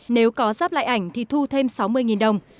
nếu có ráp lại ảnh thì thu thêm sáu mươi đồng